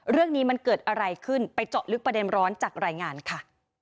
เรื่องนี้มันเกิดอะไรขึ้นไปเจาะลึกประเด็นร้อนจากรายงานค่ะ